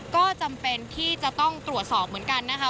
ก็จำเป็นที่จะต้องตรวจสอบเหมือนกันนะคะ